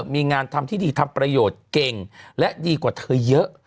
มีงานทำที่ดีทำประโยชน์เก่งและดีกว่าเธอเยอะ